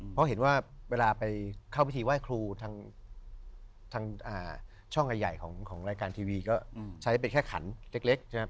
เพราะเห็นว่าเวลาไปเข้าพิธีไหว้ครูทางช่องใหญ่ของรายการทีวีก็ใช้เป็นแค่ขันเล็กใช่ไหม